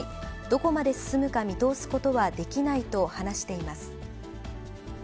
どこまで進むか見通すことはできないと話しています。